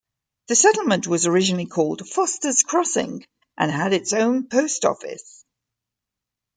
The settlement was originally called "Foster's Crossing", and had its own post office.